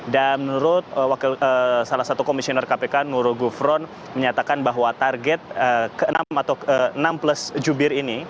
dan menurut salah satu komisioner kpk nurul gufron menyatakan bahwa target enam plus jubir ini